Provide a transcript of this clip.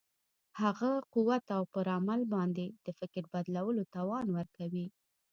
هغه قوت او پر عمل باندې د فکر بدلولو توان ورکوي.